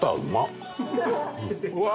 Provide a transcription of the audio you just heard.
うわ！